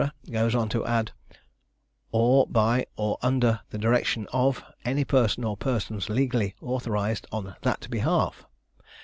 goes on to add, "or by or under the direction of any person or persons legally authorised on that behalf."